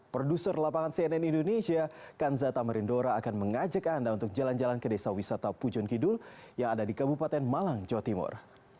produser lapangan cnn indonesia kanza tamarindora akan mengajak anda untuk jalan jalan ke desa wisata pujon kidul yang ada di kabupaten malang jawa timur